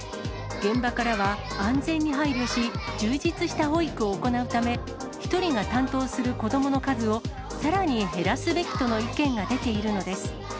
現場からは、安全に配慮し、充実した保育を行うため、１人が担当する子どもの数を、さらに減らすべきとの意見が出ているのです。